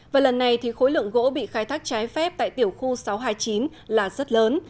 và lần này thì khối lượng gỗ bị khai thác trái phép tại tiểu khu sáu trăm hai mươi chín là rất lớn